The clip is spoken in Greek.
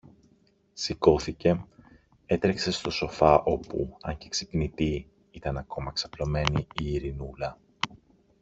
Σηκώθηκε, έτρεξε στο σοφά όπου, αν και ξυπνητή, ήταν ακόμα ξαπλωμένη η Ειρηνούλα.